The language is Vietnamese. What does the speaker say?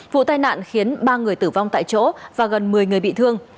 vụ tai nạn khiến ba người tử vong tại chỗ và gần một mươi người bị thương